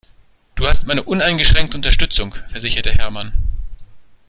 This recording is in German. Du hast meine uneingeschränkte Unterstützung, versicherte Hermann.